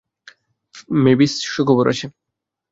Mavis, সুখবর আছে!